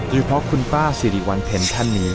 ด้วยเพราะคุณป้าสิริวัรเภรษฐ์ท่านนี้